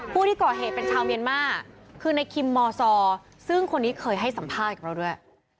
ผู้ที่ก่อเหตุเป็นชาวเมียนมาร์คือในคิมมซอซึ่งคนนี้เคยให้สัมภาษณ์กับเราด้วย